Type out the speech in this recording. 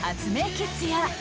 キッズや。